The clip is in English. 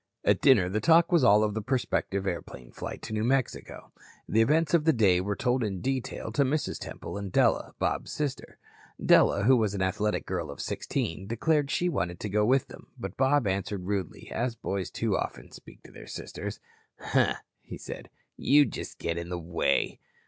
At dinner the talk was all of the prospective airplane flight to New Mexico. The events of the day were told in detail to Mrs. Temple and Della, Bob's sister. Della, who was an athletic girl of 16, declared she wanted to go with them, but Bob answered rudely, as boys too often speak to their sisters: "Huh," he said, "you'd just get in the way."